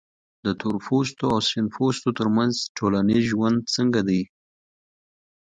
د تورپوستو او سپین پوستو ترمنځ ټولنیز ژوند څنګه دی؟